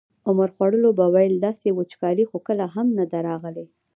عمر خوړلو به ویل داسې وچکالي خو کله هم نه ده راغلې.